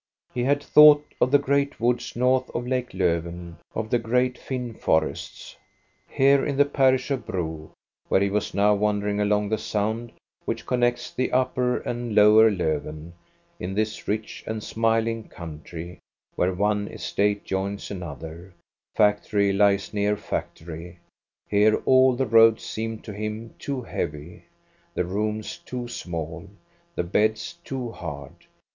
He had thought of the great woods north of lake Lofven, of the great Finn forests. Here in the parish of Bro, where he was now wandering along the sound which connects the upper and lower Lofven, — in this rich and smiling country, where one estate joins another, factory lies near fac tory, — here all the roads seemed to him too heavy, the rooms too small, the beds too hard.